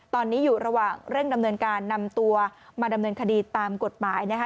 ตอนนี้อยู่ระหว่างเร่งดำเนินการนำตัวมาดำเนินคดีตามกฎหมายนะคะ